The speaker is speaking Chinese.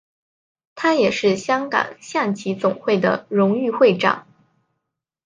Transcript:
他也是香港象棋总会的荣誉会长。